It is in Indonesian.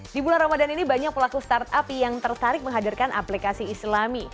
di bulan ramadan ini banyak pelaku startup yang tertarik menghadirkan aplikasi islami